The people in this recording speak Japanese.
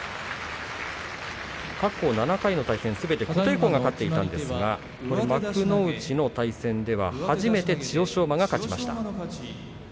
過去７回の対戦、すべて琴恵光が勝っていたんですが幕内の対戦では初めて千代翔馬が勝ちました。